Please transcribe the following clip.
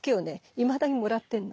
いまだにもらってんの。